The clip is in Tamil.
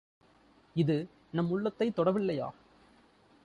இது நம் உள்ளத்தைத் தொடவில்லையா?